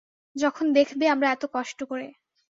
যখন দেখবে আমরা এত কষ্ট করে।